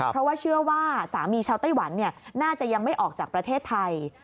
เพราะว่าเชื่อว่าสามีชาวไต้หวันน่าจะยังไม่ออกจากประเทศไทย